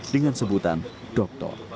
dengan sebutan doktor